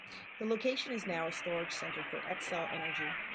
The location is now a storage center for Xcel Energy.